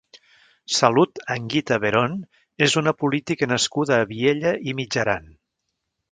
Salud Anguita Verón és una política nascuda a Viella i Mitjaran.